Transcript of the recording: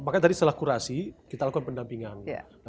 maka dari setelah kurasi kita lakukan pendampingan